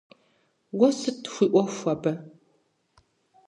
Уэ сыт хуиӀуэху абы?